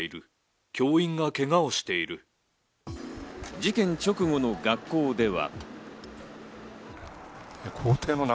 事件直後の学校では。